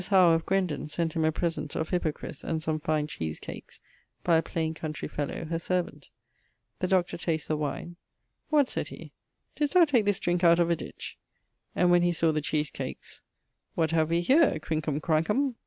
Howe, of Grendon, sent him a present of hippocris, and some fine cheese cakes, by a plain countrey fellow, her servant. The Dr. tastes the wine: 'What,' sayd he, 'didst thou take this drinke out of a ditch?' and when he saw the cheese cakes: 'What have we here, crinkum, crankum?'